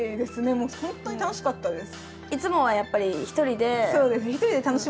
もうすごい楽しかったです。